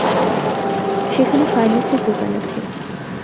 সেখানে ফার্মেসীর দোকান আছে।